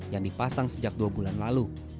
yang dipasang sejak dua bulan lalu